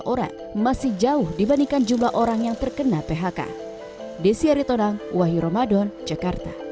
dua puluh dua orang masih jauh dibandingkan jumlah orang yang terkena phk